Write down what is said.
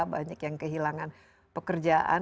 banyak yang kehilangan pekerjaan